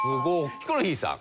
ヒコロヒーさん。